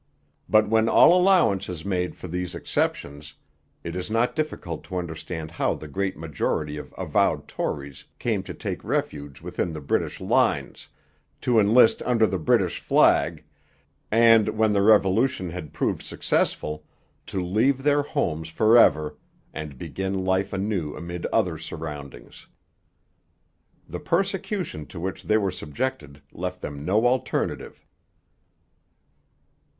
But when all allowance is made for these exceptions, it is not difficult to understand how the great majority of avowed Tories came to take refuge within the British lines, to enlist under the British flag, and, when the Revolution had proved successful, to leave their homes for ever and begin life anew amid other surroundings. The persecution to which they were subjected left them no alternative.